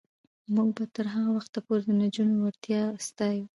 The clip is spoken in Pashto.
موږ به تر هغه وخته پورې د نجونو وړتیا ستایو.